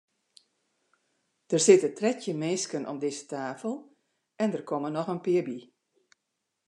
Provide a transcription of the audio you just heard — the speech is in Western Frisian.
Der sitte trettjin minsken om dizze tafel en der komme noch in pear by.